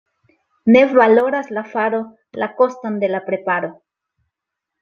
Ne valoras la faro la koston de la preparo.